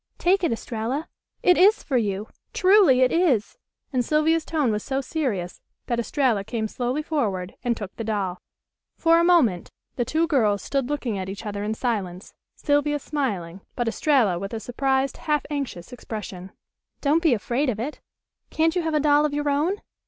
"Take it, Estralla! It is for you. Truly it is," and Sylvia's tone was so serious that Estralla came slowly forward and took the doll. For a moment the two little girls stood looking at each other in silence, Sylvia smiling, but Estralla with a surprised, half anxious expression. "Don't be afraid of it. Can't you have a doll of your own?"